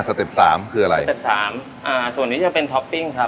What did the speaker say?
เต็ปสามคืออะไรสเต็ปสามอ่าส่วนนี้จะเป็นท็อปปิ้งครับ